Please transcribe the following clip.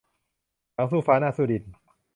หลังสู้ฟ้า หน้าสู้ดิน